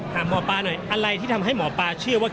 หมอปลาหน่อยอะไรที่ทำให้หมอปลาเชื่อว่า